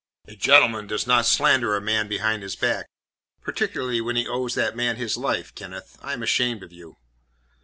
A gentleman does not slander a man behind his back, particularly when he owes that man his life. Kenneth, I am ashamed of you."